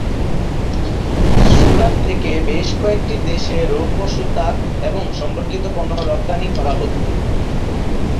সুরাট থেকে বেশ কয়েকটি দেশে রৌপ্য সুতা এবং সম্পর্কিত পণ্য রফতানি করা হত।